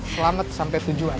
selamat sampai tujuan